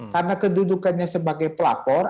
karena kedudukannya sebagai pelapor